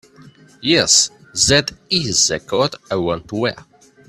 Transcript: Yes, that IS the coat I want to wear.